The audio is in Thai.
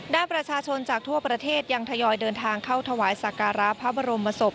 ด้านประชาชนจากทั่วประเทศยังทยอยเดินทางเข้าถวายสักการะพระบรมศพ